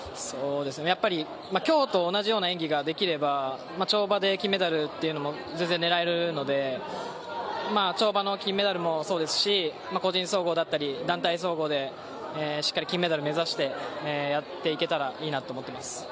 やっぱり、今日と同じような演技ができれば、跳馬で金メダルっていうのも全然狙えるので跳馬の金メダルもそうですし個人総合だったり団体総合でしっかり金メダルを目指してやっていけたらいいなと思っています。